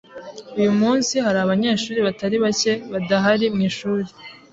Uyu munsi hari abanyeshuri batari bake badahari mwishuri.